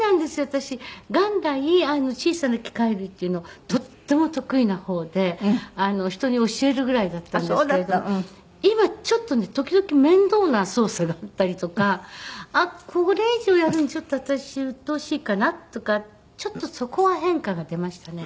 私元来小さな機械類っていうのとっても得意な方で人に教えるぐらいだったんですけれど今ちょっとね時々面倒な操作があったりとかあっこれ以上やるの私うっとうしいかなとかちょっとそこは変化が出ましたね。